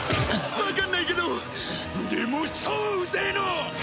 わかんないけどでも超うぜえの！